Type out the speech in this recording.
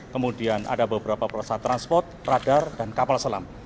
kemudian ada beberapa perusahaan transport radar dan kapal selam